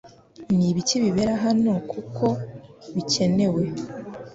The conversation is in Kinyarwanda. Ni ibiki bibera hanokuko bikenewe